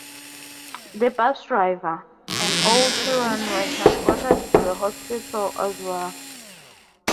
The bus driver and all children were transported to the hospital as well.